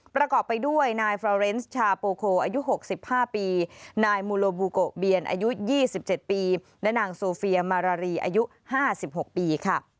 ประกอบไปด้วยนายฟราเรนซ์ชาโปโคอายุ๖๕ปีนายมูโลบูโกเบียนอายุ๒๗ปีและนางโซเฟียมารารีอายุ๕๖ปีค่ะ